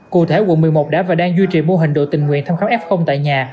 cụ thể quận một mươi một đã và đang duy trì mô hình đội tình nguyện thăm khám f tại nhà